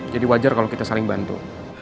jadi wajar kalau kita saling bantu